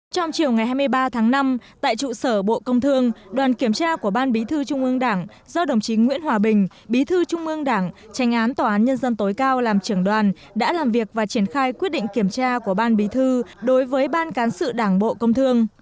trong chiều ngày hai mươi ba tháng năm tại trụ sở bộ công thương đoàn kiểm tra của ban bí thư trung ương đảng do đồng chí nguyễn hòa bình bí thư trung ương đảng tranh án tòa án nhân dân tối cao làm trưởng đoàn đã làm việc và triển khai quyết định kiểm tra của ban bí thư đối với ban cán sự đảng bộ công thương